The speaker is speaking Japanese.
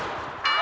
あ！